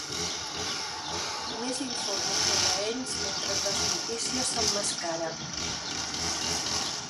Només informo sobre ells mentre les notícies s'emmascaren.